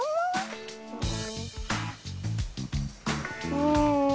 うん。